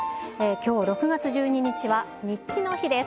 きょう６月１２日は、日記の日です。